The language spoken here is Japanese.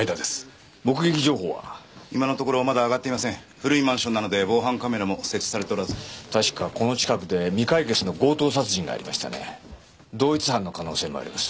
古いマンションなので防犯カメラも設置されておらず確かこの近くで未解決の強盗殺人がありましたね同一犯の可能性もあります